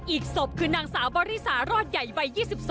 อีกศพคือนางสาวบริสารอดใหญ่วัย๒๒